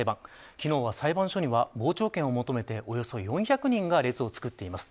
昨日は裁判所には傍聴券を求めておよそ４００人が列をつくっています。